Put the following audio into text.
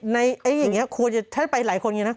ในอย่างนี้ถ้าไปหลายคนอย่างนี้นะ